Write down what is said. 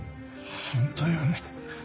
ホントよね。